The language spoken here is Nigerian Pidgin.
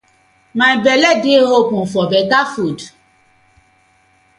My belle dey open for betta food.